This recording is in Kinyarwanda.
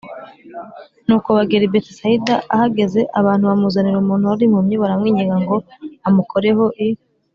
Nuko bagera i Betsayida Ahageze abantu bamuzanira umuntu wari impumyi baramwinginga ngo amukoreho i